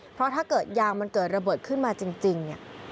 เพราะถ้าเกิดยางมันเกิดระเบิดขึ้นมาจริงเนี่ย